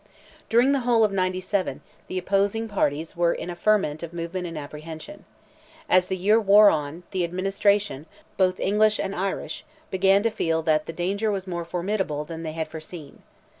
During the whole of '97, the opposing parties were in a ferment of movement and apprehension. As the year wore on, the administration, both English and Irish, began to feel that the danger was more formidable than they had foreseen.